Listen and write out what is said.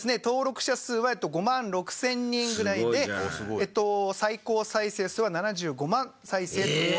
登録者数は５万６０００人ぐらいで最高再生数は７５万再生と。